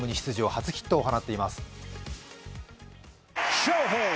初ヒットを放っています。